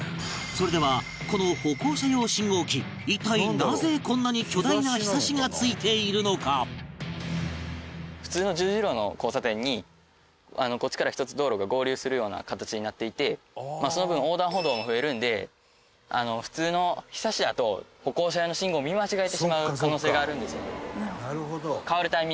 それではこの歩行者用信号機一体普通の十字路の交差点にこっちから１つ道路が合流するような形になっていてその分横断歩道も増えるんで普通の庇やと歩行者用の信号を見間違えてしまう可能性があるんですよ。